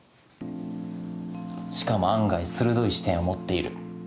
しかも案外鋭い視点を持っている。